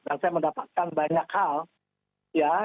dan saya mendapatkan banyak hal ya